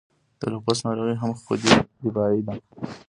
د لوپس ناروغي هم خودي دفاعي ده.